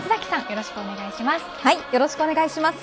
よろしくお願いします。